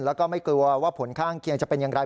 แล้วก็ไม่กลัวว่าผลข้างเคียงจะเป็นอย่างไร